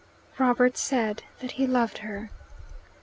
Robert said that he loved her.